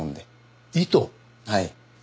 はい。